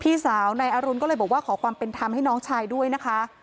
พี่สาวนายอรุณก็เลยบอกว่าขอความเป็นธรรมให้น้องชายด้วยนะคะ